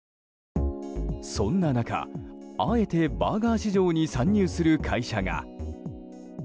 そんな中、あえてバーガー市場に参入する会社が。